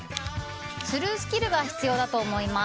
スルースキルが必要だと思います。